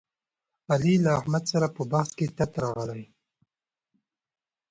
علي له احمد سره په بحث کې تت راغلی.